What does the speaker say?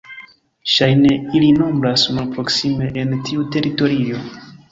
Ŝajne ili nombras malproksime en tiu teritorio.